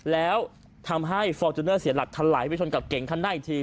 แล้วทำให้ฟอร์จูเนอร์เสียหลักทะไหลไปชนกับเก่งคันหน้าอีกที